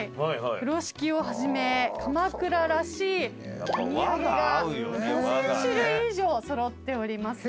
風呂敷をはじめ鎌倉らしいお土産が５，０００種類以上揃っております。